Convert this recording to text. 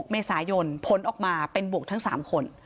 ๖เมษายนผลออกมาเป็นบวกทั้ง๓คน